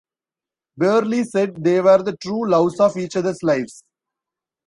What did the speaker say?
Birley said they were "the true loves of each other's lives".